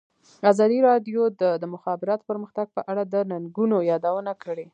ازادي راډیو د د مخابراتو پرمختګ په اړه د ننګونو یادونه کړې.